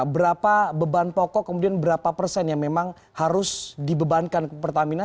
berapa beban pokok kemudian berapa persen yang memang harus dibebankan ke pertamina